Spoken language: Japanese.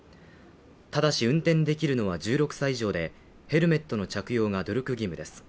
ただし、運転できるのは１６歳以上でヘルメットの着用が努力義務です。